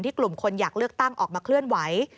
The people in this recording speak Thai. กลุ่มคนอยากเลือกตั้งออกมาเคลื่อนไหว